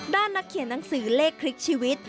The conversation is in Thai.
นักเขียนหนังสือเลขคลิกชีวิต